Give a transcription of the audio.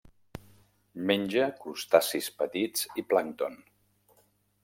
Menja crustacis petits i plàncton.